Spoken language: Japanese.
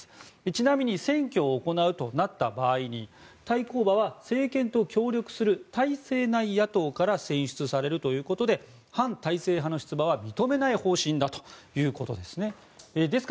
ちなみに選挙を行うとなった場合に対抗馬は政権と協力する体制内野党から選出されるということで反体制派の出馬は認めない方針だということです。